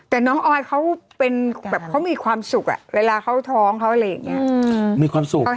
แต่น้องออดเขามีความสุขไงเวลาเขาท้องเข้าอะไรอย่างงี้